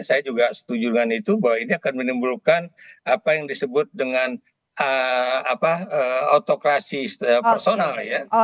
saya juga setuju dengan itu bahwa ini akan menimbulkan apa yang disebut dengan autokrasi personal ya